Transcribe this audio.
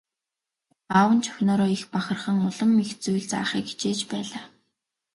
Аав нь ч охиноороо их бахархан улам их зүйл заахыг хичээж байлаа.